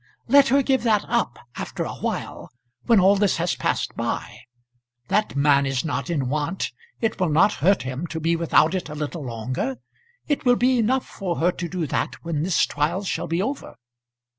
"Let her give that up after a while; when all this has passed by. That man is not in want. It will not hurt him to be without it a little longer. It will be enough for her to do that when this trial shall be over."